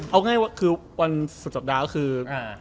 เอาง่ายว่าวันสักสัปดาห์คือ